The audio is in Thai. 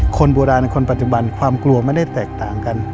คนโบราณคนปัจจุบันความกลัวไม่ได้แตกต่างกัน